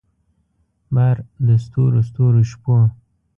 بار د ستورو ستورو شپو